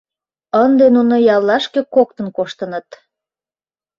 Ынде нуно яллашке коктын коштыныт.